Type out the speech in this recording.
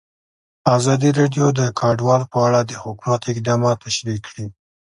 ازادي راډیو د کډوال په اړه د حکومت اقدامات تشریح کړي.